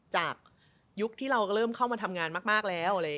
ยุคที่เราเริ่มเข้ามาทำงานมากแล้ว